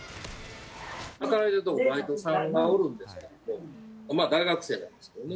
働いとるところにバイトさんがおるんですけれども、大学生なんですけどね。